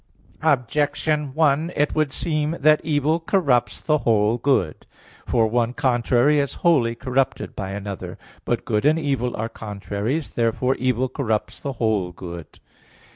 Objection 1: It would seem that evil corrupts the whole good. For one contrary is wholly corrupted by another. But good and evil are contraries. Therefore evil corrupts the whole good.